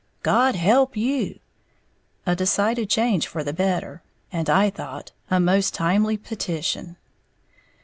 "God help you!", a decided change for the better, and, I thought, a most timely petition!